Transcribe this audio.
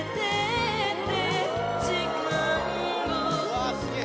・わあすげえ